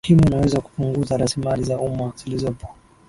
ukimwi unaweza kupunguza raslimali za umma zilizopo